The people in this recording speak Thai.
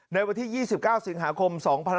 ในวันที่๒๙สิงหาคม๒๕๖๒